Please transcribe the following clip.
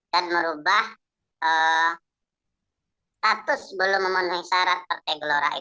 dan merubah status belum memenuhi syarat partai gelora